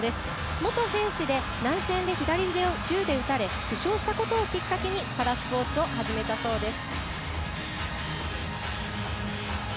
元兵士で内戦で左腕を銃で撃たれ負傷したことをきっかけにパラスポーツを始めたそうです。